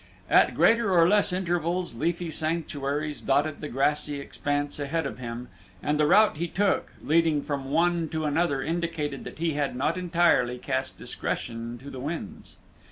At greater or less intervals leafy sanctuaries dotted the grassy expanse ahead of him and the route he took, leading from one to another, indicated that he had not entirely cast discretion to the winds.